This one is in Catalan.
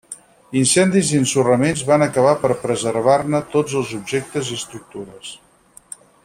Incendis i ensorraments van acabar per preservar-ne tots els objectes i estructures.